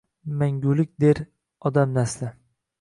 Mangulik der odam nasli